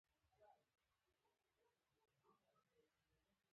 د ښکار پر مهال څوک اړ نه وو چې ډوډۍ له ځان سره یوسي.